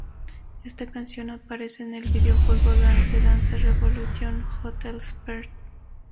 Esta canción aparece en el videojuego Dance Dance Revolution Hottest Party.